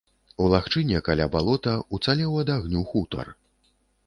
У лагчыне, каля балота, уцалеў ад агню хутар.